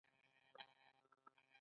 دا عوامل د فرد له کنټرول څخه وتلي دي.